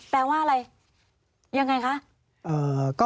ปีอาทิตย์ห้ามีสปีอาทิตย์ห้ามีส